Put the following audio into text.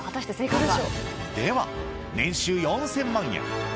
では年収４０００万円